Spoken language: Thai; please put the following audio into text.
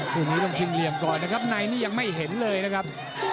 คู่นี้ต้องชิงเหลี่ยมก่อนนะครับในนี่ยังไม่เห็นเลยนะครับ